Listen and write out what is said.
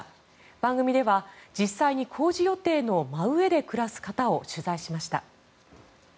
番組では実際に工事予定の真上で暮らす方を取材しました。